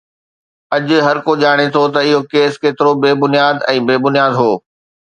اڄ هرڪو ڄاڻي ٿو ته اهو ڪيس ڪيترو بي بنياد ۽ بي بنياد هو